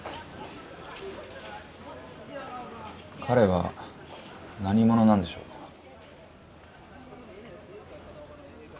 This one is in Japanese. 彼は何者なんでしょうか。